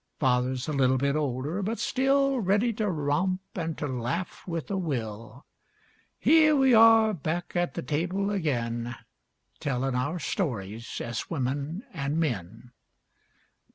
Father's a little bit older, but still Ready to romp an' to laugh with a will. Here we are back at the table again Tellin' our stories as women an men.